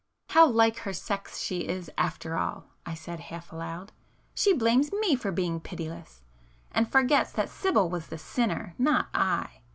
"How like her sex she is after all!" I said half aloud—"She blames me for being pitiless,—and forgets that Sibyl was the sinner,—not I!